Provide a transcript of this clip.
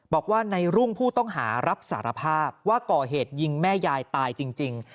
บอกว่าในรุ่งผู้ต้องหารับสารภาพว่าก่อเหตุยิงแม่ยายตายจริง